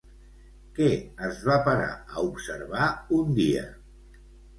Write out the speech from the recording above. Què es va parar a observar un dia?